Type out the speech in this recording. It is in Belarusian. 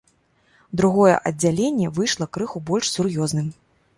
Другое аддзяленне выйшла крыху больш сур'ёзным.